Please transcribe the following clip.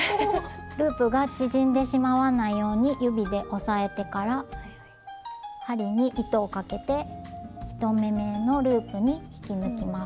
ループが縮んでしまわないように指で押さえてから針に糸をかけて１目めのループに引き抜きます。